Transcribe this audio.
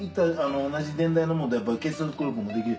同じ年代の者でやっぱり結束力もできる。